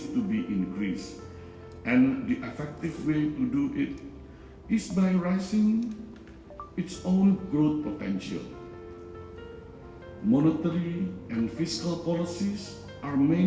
tapi permintaan tidak dapat dioptimisir jika masalah struktural tidak diadopsi dengan baik